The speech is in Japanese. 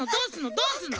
どうすんの？